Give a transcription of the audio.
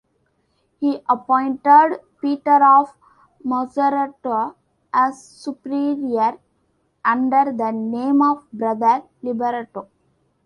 He appointed Peter of Macerata as superior under the name of Brother Liberato.